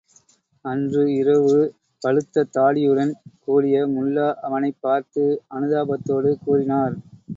அன்று இரவு பழுத்த தாடியுடன் கூடிய முல்லா அவனைப் பார்த்து அனுதாபத்தோடு கூறினார்.